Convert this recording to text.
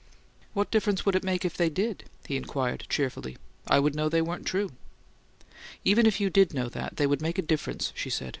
"What difference would it make if they did?" he inquired, cheerfully. "I'd know they weren't true." "Even if you did know that, they'd make a difference," she said.